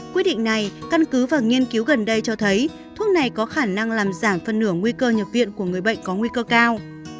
quyết định này căn cứ và nghiên cứu gần đây cho thấy thuốc này có khả năng làm giảm phân nửa nguy cơ nhập viện của người bệnh có nguy cơ cao